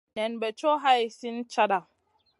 Nen bè co hai slina cata.